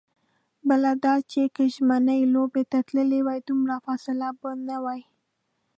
بله دا چې که ژمنیو لوبو ته تللې هم، دومره فاصله به نه وي.